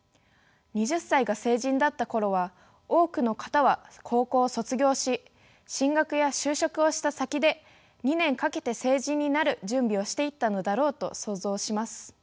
２０歳が成人だった頃は多くの方は高校を卒業し進学や就職をした先で２年かけて成人になる準備をしていったのだろうと想像します。